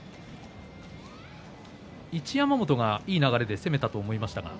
一山本がいい流れで攻めたと思いましたが。